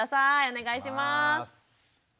お願いします。